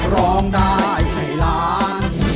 ร้องได้ให้ล้าน